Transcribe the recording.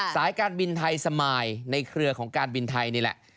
สายการบินไทยสมายในเครือของการบินไทยนี่แหละ